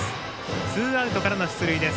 ツーアウトからの出塁です。